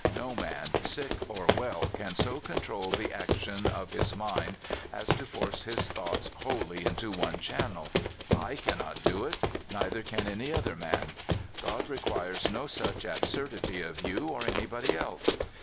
No man, sick or well, can so control the action of his mind as to force his thoughts wholly into one channel. 320 CALIFORNIA SKETCHES. I cannot do it; neither can any other man. God requires no such absurdity of you or anybody else.